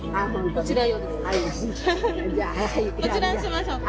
こちらにしましょうか。